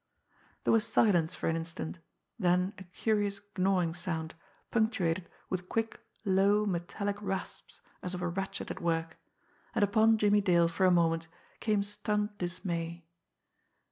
There was silence for an instant, then a curious gnawing sound punctuated with quick, low, metallic rasps as of a ratchet at work and upon Jimmie Dale for a moment came stunned dismay.